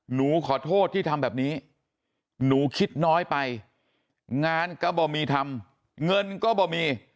หนูขอโทษที่ทำแบบนี้หนูคิดน้อยไปงานก็บ่มีทำเงินก็บ่มี